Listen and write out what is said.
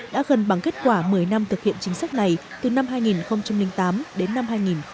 đã gần bằng kết quả một mươi năm thực hiện chính sách này từ năm hai nghìn tám đến năm hai nghìn một mươi